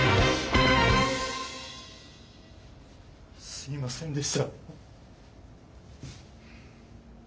すみませんでした。